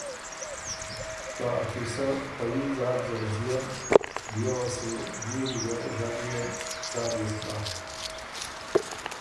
که آ قیصۀ پۀ يي ځاک زر ژيېن بيې وه سُو بيې ویزر ژغيېن، څال يې سو بۀ؟